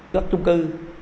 các trung cư